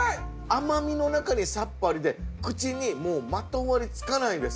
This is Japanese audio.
甘みの中にさっぱりで口にもうまとわりつかないんです。